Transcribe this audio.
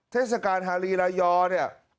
เทศกาลฮารีรายอร์เนี่ย